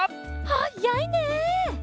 はっやいね！